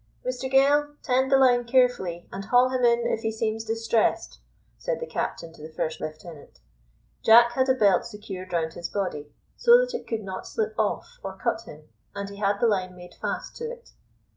"Mr Gale, tend the line carefully, and haul him in if he seems distressed," said the captain to the first lieutenant. Jack had a belt secured round his body, so that it could not slip off or cut him, and he had the line made fast to it.